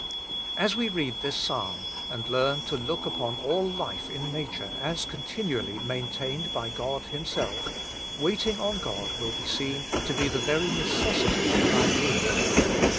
As we read this Psalm, and learn to look upon all life in Nature as continually maintained by God Himself, waiting on God will be seen to be the very necessity of our being.